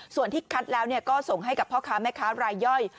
ส่วนที่คัดแล้วก็ส่งให้กับพ่อค้าแม่ค้ารายย่อย